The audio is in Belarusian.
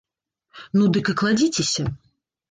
Ну, дык і кладзіцеся.